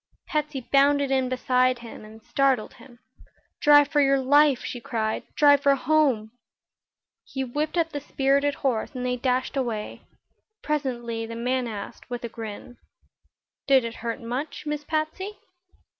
Patsy bounded in beside him and startled him. "Drive for your life!" she cried. "Drive for home!" He whipped up the spirited horse and they dashed away. Presently the man asked, with a grin: "Did it hurt much, Miss Patsy?"